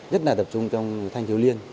nhất là tập trung trong thanh thiếu liên